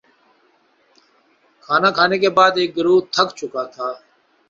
کھانا کھانے کے بعد ایک گروہ تھک چکا تھا